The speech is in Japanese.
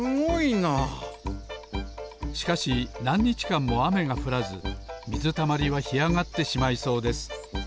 しかしなんにちかんもあめがふらずみずたまりはひあがってしまいそうです。